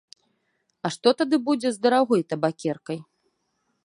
А што тады будзе з дарагой табакеркай?